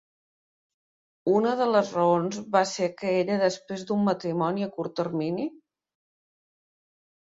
Una de les raons va ser que ella després d'un matrimoni a curt termini.